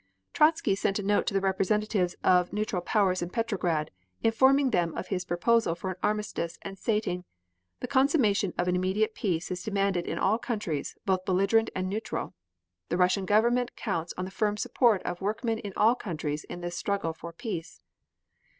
Trotzky sent a note to the representatives of neutral powers in Petrograd, informing them of his proposal for an armistice, and stating "The consummation of an immediate peace is demanded in all countries, both belligerent and neutral. The Russian Government counts on the firm support of workmen in all countries in this struggle for peace."